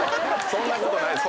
そんなことない。